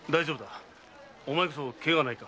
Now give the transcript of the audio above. お前こそケガはないか？